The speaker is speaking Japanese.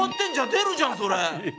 出るじゃんそれ。